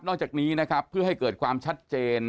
หลังจากนี้เพื่อให้เกิดความชัดเจน